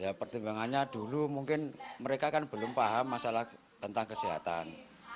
ya pertimbangannya dulu mungkin mereka kan belum paham masalah tentang kesehatan